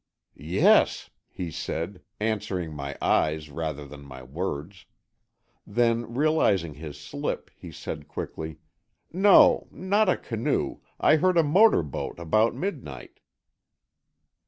"Yes," he said, answering my eyes rather than my words. Then realizing his slip, he said, quickly, "No, not a canoe, I heard a motor boat about midnight."